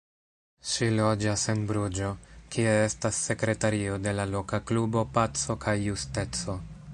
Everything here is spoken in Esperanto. Ŝi loĝas en Bruĝo, kie estas sekretario de la loka klubo Paco kaj Justeco.